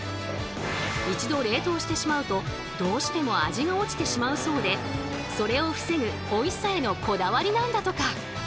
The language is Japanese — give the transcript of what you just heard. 一度冷凍してしまうとどうしても味が落ちてしまうそうでそれを防ぐおいしさへのこだわりなんだとか。